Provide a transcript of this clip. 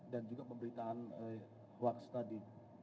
dan juga pemberitaan wags tadi